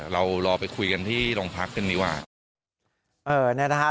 เรารอไปคุยกันที่โรงพักกันดีกว่า